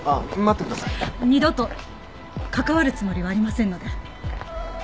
二度と関わるつもりはありませんので。